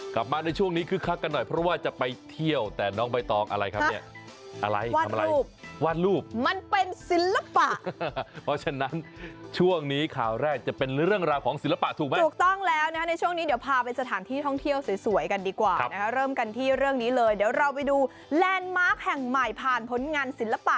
กลับมาในช่วงนี้คึกคักกันหน่อยเพราะว่าจะไปเที่ยวแต่น้องใบตองอะไรครับเนี่ยอะไรวาดรูปวาดรูปมันเป็นศิลปะเพราะฉะนั้นช่วงนี้ข่าวแรกจะเป็นเรื่องราวของศิลปะถูกไหมถูกต้องแล้วนะคะในช่วงนี้เดี๋ยวพาไปสถานที่ท่องเที่ยวสวยกันดีกว่านะคะเริ่มกันที่เรื่องนี้เลยเดี๋ยวเราไปดูแลนด์มาร์คแห่งใหม่ผ่านผลงานศิลปะ